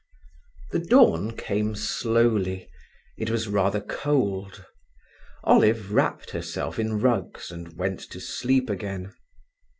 The dawn came slowly. It was rather cold. Olive wrapped herself in rugs and went to sleep again.